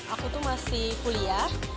aku tuh masih kuliah